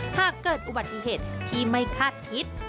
หากเกิดอุบัติเหตุที่ไม่คาดคิด